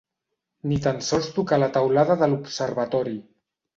Ni tan sols tocà la teulada de l'observatori